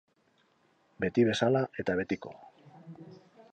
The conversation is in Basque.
Beti bezala eta betiko.